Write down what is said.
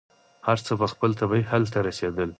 هر څه به خپل طبعي حل ته رسېدل.